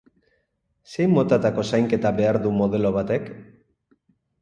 Zein motatako zainketa behar du modelo batek?